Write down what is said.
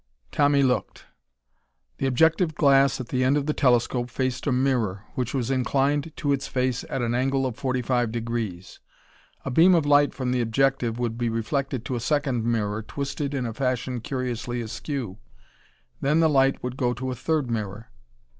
Tommy looked. The objective glass at the end of the telescope faced a mirror, which was inclined to its face at an angle of forty five degrees. A beam of light from the objective would be reflected to a second mirror, twisted in a fashion curiously askew. Then the light would go to a third mirror....